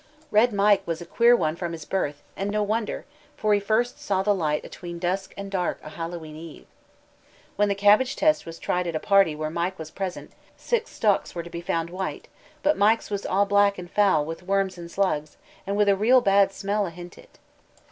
Red Mike "was a queer one from his birth, an' no wonder, for he first saw the light atween dusk an' dark o' a Hallowe'en Eve." When the cabbage test was tried at a party where Mike was present, six stalks were found to be white, but Mike's was "all black an' fowl wi' worms an' slugs, an' wi' a real bad smell ahint it."